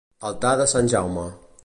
Altar de Sant Jaume.